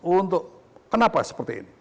untuk kenapa seperti ini